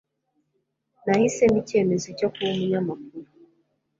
Nahisemo gufata icyemezo cyo kuba umunyamakuru.